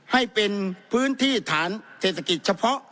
ให้เป็นพื้นที่ฐานเศรษฐกิจเฉพาะ